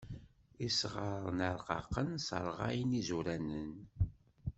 Isɣaṛen iṛqaqen sseṛɣayen izuranen.